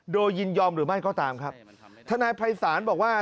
โดยยินยอมหรือไม่ก็ตามครับทนายภัยศาลบอกว่า